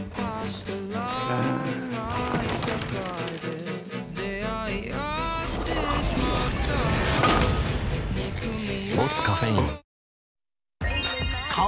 うん「ボスカフェイン」